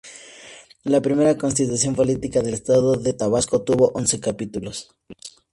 La primera Constitución Política del Estado de Tabasco tuvo once capítulos.